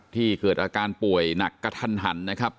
เกิดอาการป่วยหนักกระทันหันนะครับ